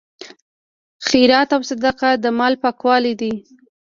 خیرات او صدقه د مال پاکوالی دی.